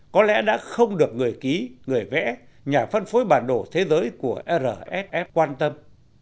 có lẽ đã không được người ký người vẽ nhà phân phối bản đồ thế giới của rf quan tâm